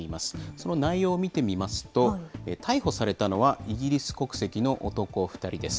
その内容を見てみますと、逮捕されたのはイギリス国籍の男２人です。